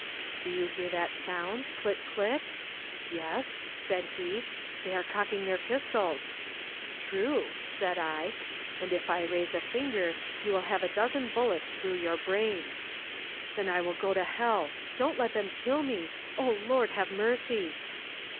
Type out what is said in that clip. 'Do you hear that sound click, click?' 'Yes,' said he, 'they are cocking their pistols.' 'True,' said I; 'and if I raise a finger you will have a dozen bullets through your brain.' 'Then I will go to hell; don't let them kill me. O Lord, have mercy!'